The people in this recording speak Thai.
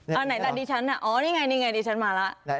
อ่าไหนล่ะดิฉันอ่ะอ๋อนี่ไงดิฉันมาแล้ว